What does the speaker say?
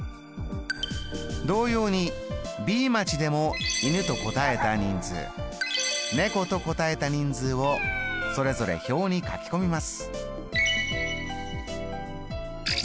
同様にＢ町でも犬と答えた人数猫と答えた人数をそれぞれ表に書き込みます。